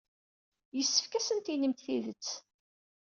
Yessefk ad asent-tinimt tidet.